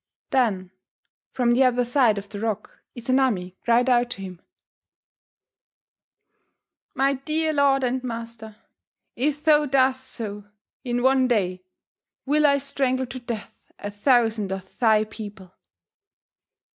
Then, from the other side of the rock, Izanami cried out to him, "My dear lord and master, if thou dost so, in one day will I strangle to death a thousand of thy people!"